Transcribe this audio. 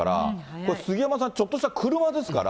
これ、杉山さん、ちょっとした車ですから。